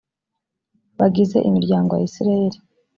bagize imiryango ya isirayeli